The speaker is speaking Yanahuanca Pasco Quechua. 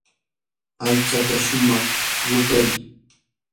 aychata shumaq ruquy.